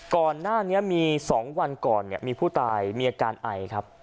ก่อนหน้านี้มี๒วันก่อนมีผู้ตายมีอาการไอครับ